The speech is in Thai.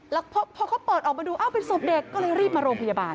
แล้วพอเขาเปิดออกมาดูเอ้าเป็นศพเด็กก็เลยรีบมาโรงพยาบาล